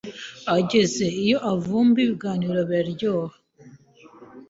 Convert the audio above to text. Ageze iyo avumba ibiganiro biraryoha,